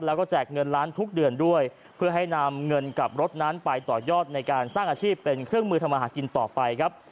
แล้วก็แจกเงินล้านทุกเดือนด้วยเพื่อให้นำเงินกับรถนั้นไปต่อยอดในการสร้างอาชีพเป็นเครื่องมือทำอาหารกินต่อไปครับ